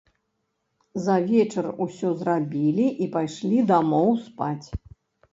За вечар усё зрабілі і пайшлі дамоў спаць.